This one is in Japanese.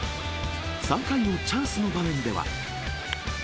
３回のチャンスの場面では。